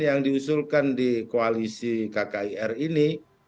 yang diusulkan di koalisi kkir ini